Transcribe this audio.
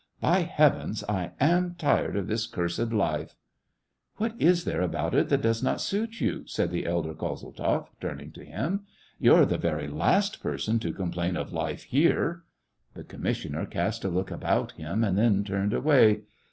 By Heavens, I am tired of this cursed life !" "What is there about it that does not suit you }" said the elder Kozeltzoff, turning to him. " You're the very last person to complain of life here !" The commissioner cast a look upon him, and then turned away.